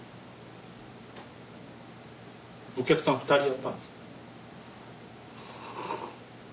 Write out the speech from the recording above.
お客さん２人だったんです。